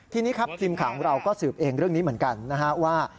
ทีนี้ครับทีมข่าวของเราก็สืบเองเรื่องนี้เหมือนกันนะฮะว่า